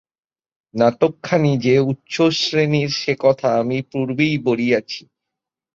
নাটকখানি যে উচ্চশ্রেণীর সেকথা আমি পূর্বেই বলিয়াছি।